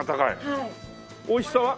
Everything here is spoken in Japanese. おいしさは？